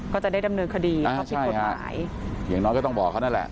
ก็จะได้ดำเนินคดีเขาผิดกฎหมายอย่างน้อยก็ต้องบอกเขานั่นแหละ